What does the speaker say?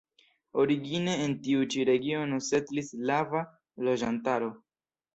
Origine en tiu ĉi regiono setlis slava loĝantaro.